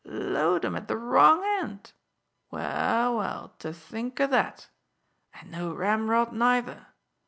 "Load 'em at the wrong end! Well, well, to think o' that! And no ramrod neither!